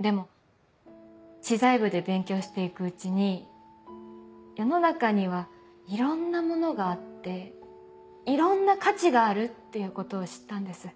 でも知財部で勉強していくうちに世の中にはいろんなものがあっていろんな価値があるっていうことを知ったんです。